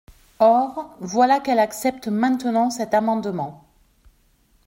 Or, voilà qu’elle accepte maintenant cet amendement.